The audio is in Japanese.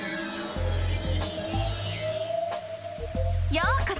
ようこそ！